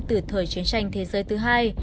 từ thời chiến tranh thế giới thứ hai